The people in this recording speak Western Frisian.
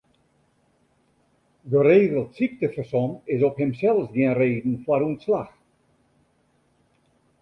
Geregeld syktefersom is op himsels gjin reden foar ûntslach.